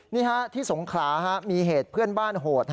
นี่ฮะที่สงขลามีเหตุเพื่อนบ้านโหด